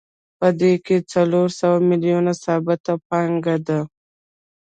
په دې کې څلور سوه میلیونه ثابته پانګه ده